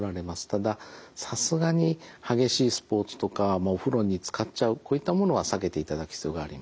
たださすがに激しいスポーツとかお風呂につかっちゃうこういったものは避けていただく必要があります。